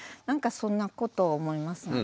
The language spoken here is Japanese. なんかそんなことを思います。